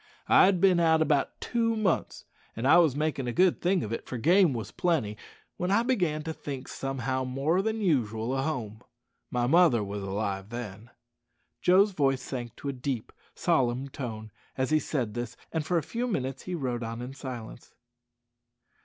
"I had bin out about two months, an' was makin' a good thing of it, for game wos plenty, when I began to think somehow more than usual o' home. My mother wos alive then." Joe's voice sank to a deep, solemn tone as he said this, and for a few minutes he rode on in silence.